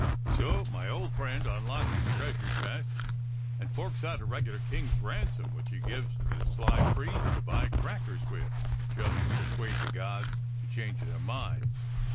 "So my old friend unlocks his treasure chest and forks out a regular king's ransom, which he gives to the sly priest to buy crackers with just to persuade the gods to change their minds.